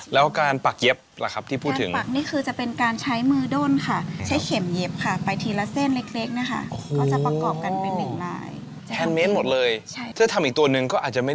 แล้วการปักเย็บล่ะครับที่พูดถึงค่ะ